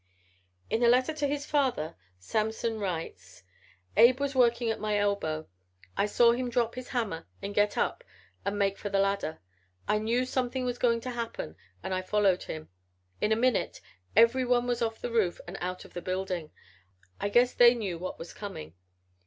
In a letter to his father Samson writes: "Abe was working at my elbow. I saw him drop his hammer and get up and make for the ladder. I knew something was going to happen and I followed him. In a minute every one was off the roof and out of the building. I guess they knew what was coming.